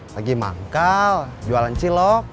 lagi manggal jualan cilok